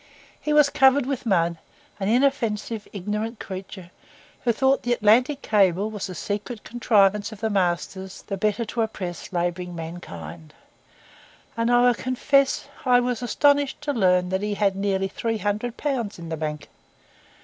He was covered with mud; an inoffensive, ignorant creature, who thought the Atlantic Cable was a secret contrivance of the masters the better to oppress labouring mankind; and I confess I was astonished to learn that he had nearly three hundred pounds in the bank.